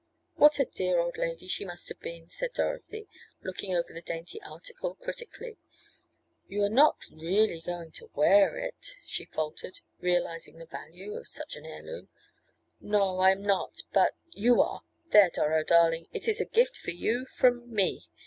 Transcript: "What a dear old lady she must have been," said Dorothy, looking over the dainty article critically. "You are not really going to wear it," she faltered, realizing the value of such an heirloom. "No, I am not, but you are! There, Doro, darling, it is a gift for you from me.